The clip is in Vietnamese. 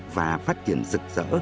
và phát triển rực rỡ